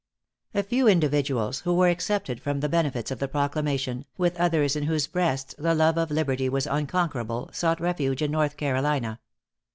A few individuals, who were excepted from the benefits of the proclamation, with others in whose breasts the love of liberty was unconquerable, sought refuge in North Carolina.